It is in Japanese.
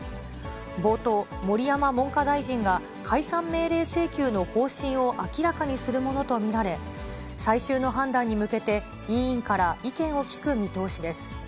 冒頭、盛山文科大臣が解散命令請求の方針を明らかにするものと見られ、最終の判断に向けて、委員から意見を聞く見通しです。